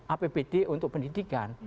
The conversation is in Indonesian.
apbd untuk pendidikan